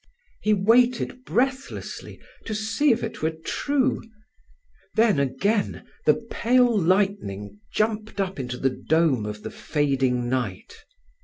He waited breathlessly to see if it were true. Then, again, the pale lightning jumped up into the dome of the fading night.